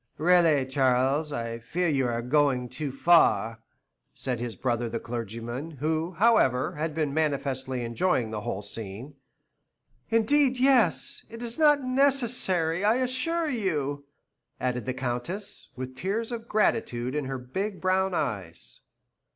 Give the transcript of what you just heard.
"Really, Charles, I fear you are going too far," said his brother the clergyman, who, however, had been manifestly enjoying the whole scene. "Indeed, yes. It is not necessary, I assure you," added the Countess, with tears of gratitude in her big brown eyes.